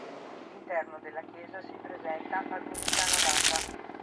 L'interno della chiesa si presenta ad unica navata.